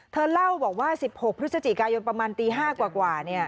เธอเล่าบอกว่าสิบหกพฤษจิกายนประมาณตีห้ากว่ากว่า